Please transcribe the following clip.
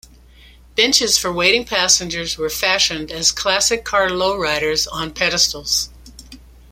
Benches for waiting passengers were fashioned as classic car lowriders on pedestals.